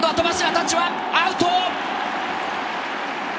タッチアウト！